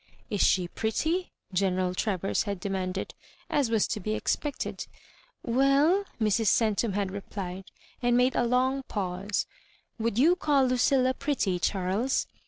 " Is she pretty?" General Travers had demanded, as was to be expected. " We— U,'' Mrs. Centum had replied, and made a long pause— "would you call Lucilla pretty, Charles?"